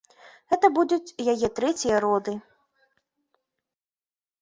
Гэта будуць яе трэція роды.